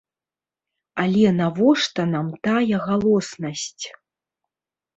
Але навошта нам тая галоснасць?